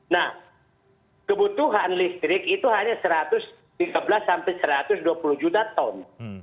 nah kebutuhan listrik itu hanya satu ratus tiga belas sampai satu ratus dua puluh juta ton